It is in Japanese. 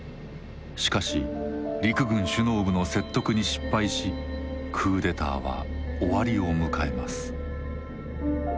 しかし陸軍首脳部の説得に失敗しクーデターは終わりを迎えます。